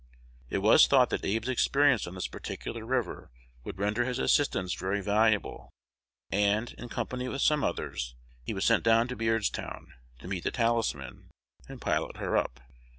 It was thought that Abe's experience on this particular river would render his assistance very valuable; and, in company with some others, he was sent down to Beardstown, to meet the "Talisman," and pilot her up.